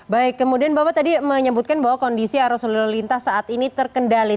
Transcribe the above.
baik kemudian bapak tadi menyebutkan bahwa kondisi arus lalu lintas saat ini terkendali